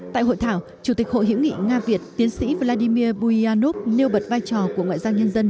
tại hội thảo chủ tịch hội hiểu nghị nga việt tiến sĩ vladimir buyanov nêu bật vai trò của ngoại giao nhân dân